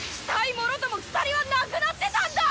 もろとも鎖はなくなってたんだ！